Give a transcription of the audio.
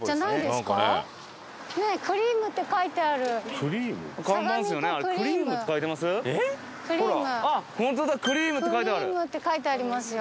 「くりいむ」って書いてありますよ。